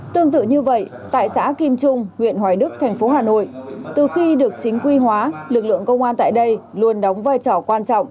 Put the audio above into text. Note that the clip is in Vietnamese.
tương tự như vậy tại xã kim trung huyện hoài đức thành phố hà nội từ khi được chính quy hóa lực lượng công an tại đây luôn đóng vai trò quan trọng